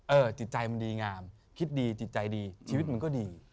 จิตใจมันดีงามคิดดีจิตใจดีชีวิตมันก็ดี